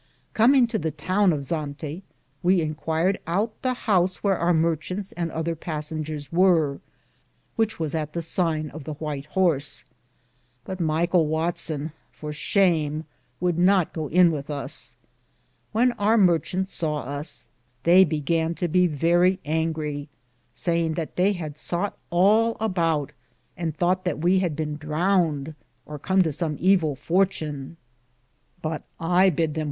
Cominge to the towne of Zante, we Inquiered out the house wheare our marchants and other passingeres weare, which was at the sine of the Whyte Horse ; but Myghell Watson, for shame, would not go in with us. When our martchantes saw us, they began to be verrie angrie, sayinge that they had soughte alaboute, and thoughte that we had bene drowned, or com to som evell fortune ; but I bid them departurp: from zante.